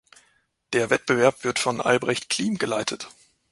Der Wettbewerb wird von Albrecht Kliem geleitet.